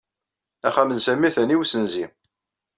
Axxam n Sami atan i ussenzi.